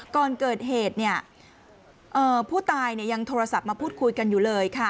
ก่อนเกิดเหตุผู้ตายยังโทรศัพท์มาพูดคุยกันอยู่เลยค่ะ